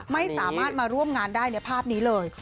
ไม่สามารถมาร่วมงานได้ในภาพนี้เลย